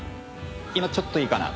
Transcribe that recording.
今ちょっといいかな？